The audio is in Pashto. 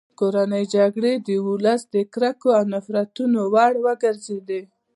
کورنۍ جګړې د ولس د کرکو او نفرتونو وړ وګرځېدې.